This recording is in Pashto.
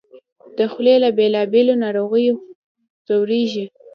د خولې له بېلابېلو ناروغیو ځورېږي